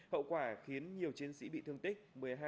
hậu quả khiến nhiều chiến sĩ bị thương tích